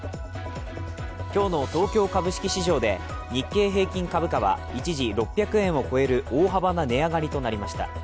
今日の東京株式市場で日経平均株価は一時６００円を超える大幅な値上がりとなりました。